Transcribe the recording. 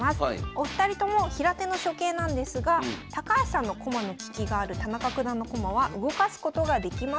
お二人とも平手の初形なんですが高橋さんの駒の利きがある田中九段の駒は動かすことができません。